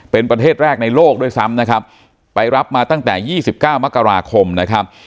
เป็นประเทศแรกในโลกด้วยซ้ำนะครับไปรับมาตั้งแต่๒๙มกราคมนะครับ